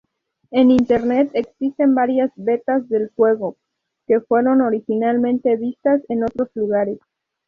En Internet, existen varias betas del juego, que fueron originalmente vistas en otros lugares.